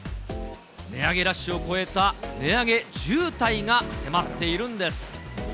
値上げラッシュを超えた値上げ渋滞が迫っているんです。